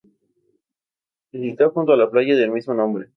Se sitúa junto a la playa del mismo nombre.